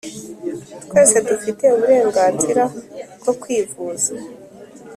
twese dufite uburenganzira bwo kwivuza